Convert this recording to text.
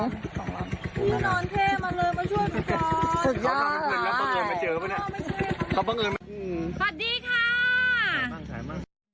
พี่นอนเทมาเลยมาช่วยด้วยก่อน